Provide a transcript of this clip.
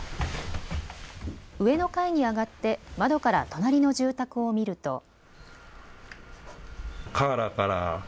上の階に上がって窓から隣の住宅を見ると。